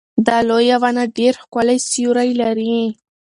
دا لویه ونه ډېر ښکلی سیوری لري.